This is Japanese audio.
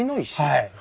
はい。